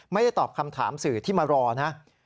ไม่ได้ตอบคำถามสื่อที่มารอนะ